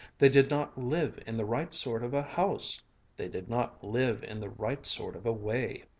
They did not live in the right sort of a house. They did not live in the right sort of a way.